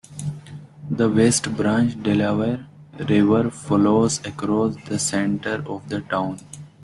The West Branch Delaware River flows across the center of the town.